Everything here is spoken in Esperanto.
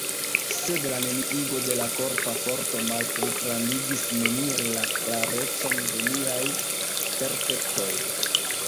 Sed la neniigo de la korpa forto malpligrandigis neniel la klarecon de miaj perceptoj.